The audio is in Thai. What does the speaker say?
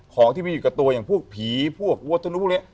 ของที่มีอยู่กับตัวอย่างพวกผีพวกวัฒนุพวกนี้